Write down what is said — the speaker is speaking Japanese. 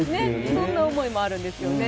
そんな思いもあるんですよね。